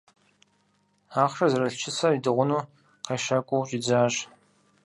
Ахъшэр зэрылъ чысэр идыгъуну къещакӀуэу щӀидзащ.